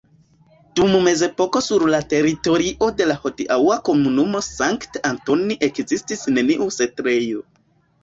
Dum mezepoko sur la teritorio de la hodiaŭa komunumo Sankt-Antoni ekzistis neniu setlejo.